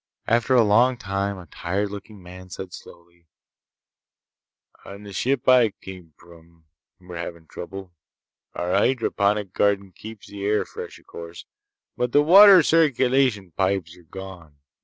After a long time a tired looking man said slowly: "On the ship I come from, we're having trouble. Our hydroponic garden keeps the air fresh, o'course. But the water circulation pipes are gone.